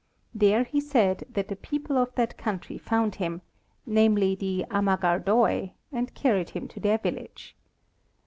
There he said that the people of that country found him, namely the Amagardoi, and carried him to their village.